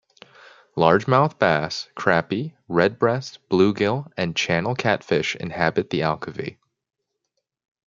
Largemouth bass, crappie, red breast, bluegill, and channel catfish inhabit the Alcovy.